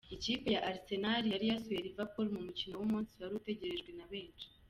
Ikipe ya Arsenal yari yasuye Liverpool mu mukino w’umunsi wari utegerejwe na benshi.